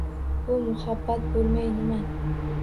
Bu muhabbat bo`lmay nima